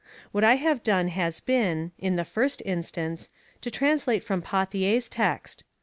What I have done has been, in the first instance, to translate from Pauthier's Text.